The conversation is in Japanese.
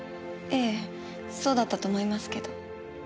ええそうだったと思いますけど。